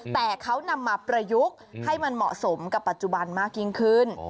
แต่เขานำมาประยุกต์ให้มันเหมาะสมกับปัจจุบันมากยิ่งขึ้น